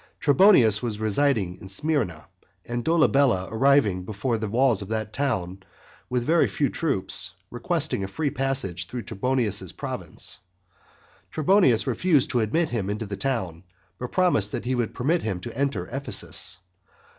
Trebonius was residing at Smyrna, and Dolabella arrived before the walls of that town with very few troops, requesting a free passage through Trebonius's province. Trebonius refused to admit him into the town, but promised that he would permit him to enter Ephesus.